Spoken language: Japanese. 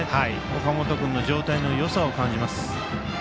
岡本君の状態のよさを感じます。